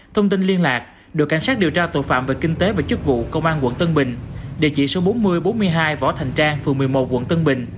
thông tin liên lạc đội cảnh sát điều tra tội phạm về kinh tế và chức vụ công an quận tân bình địa chỉ số bốn nghìn bốn mươi hai võ thành trang phường một mươi một quận tân bình